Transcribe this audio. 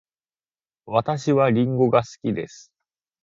私はりんごが好きです。